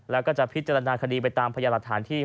แล้วก็จะพิจารณาคดีไปตามพยาหลักฐานที่